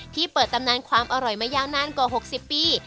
เปิดตำนานความอร่อยมายาวนานกว่า๖๐ปี